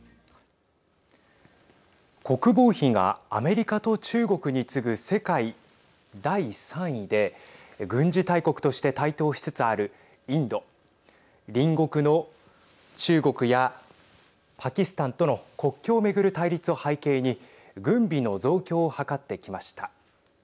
国防費がアメリカと中国に次ぐ世界第３位で軍事大国として台頭しつつあるインド隣国の中国やパキスタンとの国境を巡る対立を背景に軍備の増強を図ってきました。